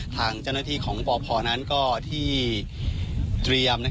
ทางเจ้าหน้าที่ของปพนั้นก็ที่เตรียม